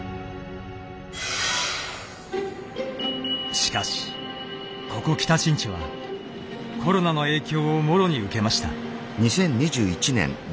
しかしここ北新地はコロナの影響をもろに受けました。